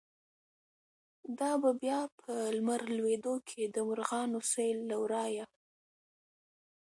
“دا به بیا په لمر لویدو کی، د مرغانو سیل له ورایه